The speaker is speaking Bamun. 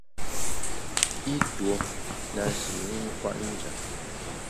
I tuo na shi i nkwet njap.